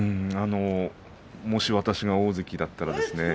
もし私が大関だったらですね